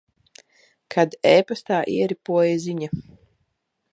Kad e-pastā ieripoja ziņa.